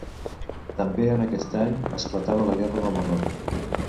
També en aquest any esclatava la guerra del Marroc.